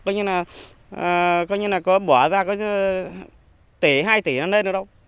coi như là bỏ ra có tỷ hai tỷ nó lên được đâu